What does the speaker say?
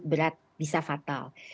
berat bisa fatal